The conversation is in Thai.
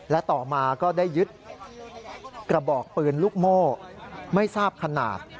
และต่อมาก็ได้ยึดกระบอกปืนลูกโม่ไม่ทราบขนาด